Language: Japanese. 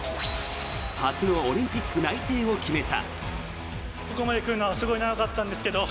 初のオリンピック内定を決めた。